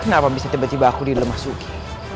kenapa bisa tiba tiba aku dilemas sugi